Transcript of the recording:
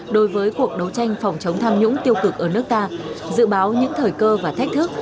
đối với cuộc đấu tranh phòng chống tham nhũng tiêu cực ở nước ta dự báo những thời cơ và thách thức